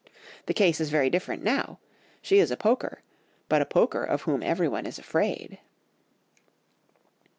The case is very different now, she is a poker, but a poker of whom everyone is afraid."